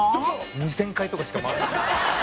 ２０００回とかしか回らない。